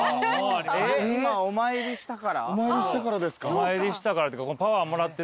お参りしたからっていうか。